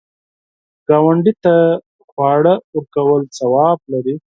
ګاونډي ته خواړه ورکول ثواب لري